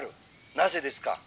なぜですか？」。